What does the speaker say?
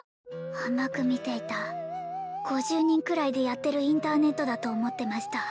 甘く見ていた５０人くらいでやってるインターネットだと思ってました